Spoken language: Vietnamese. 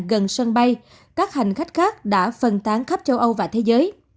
gần sân bay các hành khách khác đã phân tán khắp châu âu và thế giới